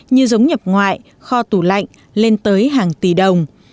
như giống nhập ngoại kho tủ lạnh lên tới hàng tỷ đồng